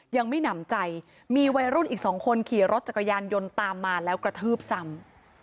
ยังไม่หนำใจมีวัยรุ่นอีกสองคนขี่รถจักรยานยนต์ตามมาแล้วกระทืบซ้ำ